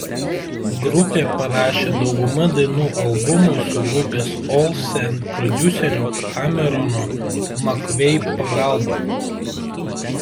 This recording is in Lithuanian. Grupė parašė daugumą dainų albumui su grupės All Saint prodiuserio Cameron McVey pagalba.